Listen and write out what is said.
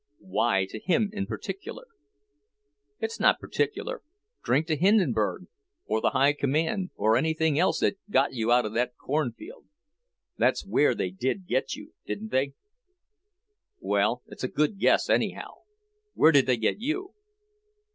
"Why to him in particular?" "It's not particular. Drink to Hindenburg, or the High Command, or anything else that got you out of the cornfield. That's where they did get you, didn't they?" "Well, it's a good guess, anyhow. Where did they get you?"